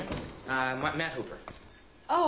ああ。